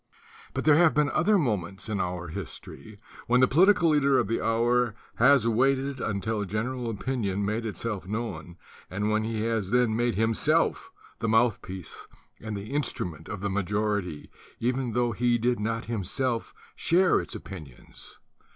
But there have been other moments in our history when the political leader of the hour has waited until general opinion made itself known and when he has then made himself the mouth piece and the instrument of the majority even tho he did not himself share its opinions.